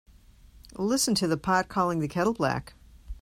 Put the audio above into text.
Listen to the pot calling the kettle black.